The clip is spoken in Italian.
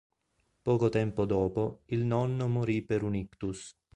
Poco tempo dopo, il nonno morì per un ictus.